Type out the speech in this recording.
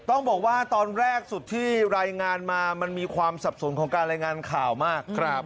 ต้องบอกว่าตอนแรกสุดที่รายงานมามันมีความสับสนของการรายงานข่าวมาก